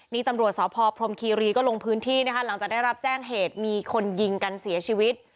นี่ตำรวจสพพรมคีรีก็ลงพื้นที่นะคะหลังจากได้รับแจ้งเหตุมีคนยิงกันเสียชีวิต